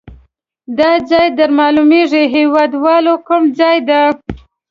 دا ځای در معلومیږي هیواد والو کوم ځای ده؟